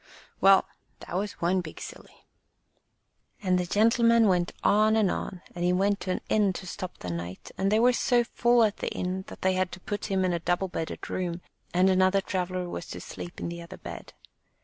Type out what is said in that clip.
Well, that was one big silly. And the gentleman went on and on, and he went to an inn to stop the night, and they were so full at the inn that they had to put him in a double bedded room, and another traveller was 82 THE TREASURE CHEST to sleep in the other bed.